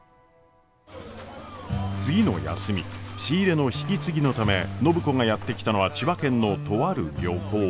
次の休み仕入れの引き継ぎのため暢子がやって来たのは千葉県のとある漁港。